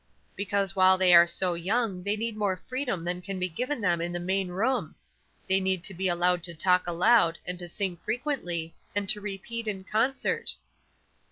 "Because while they are so young they need more freedom than can be given them in the main room. They need to be allowed to talk aloud, and to sing frequently, and to repeat in concert."